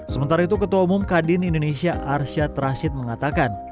sementara itu ketua umum kadin indonesia arsyad rashid mengatakan